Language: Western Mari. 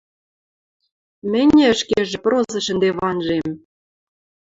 Мӹньӹ ӹшкежӹ прозыш ӹнде ванжем.